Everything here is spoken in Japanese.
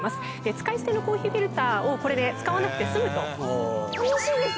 使い捨てのコーヒーフィルターをこれで使わなくて済むと。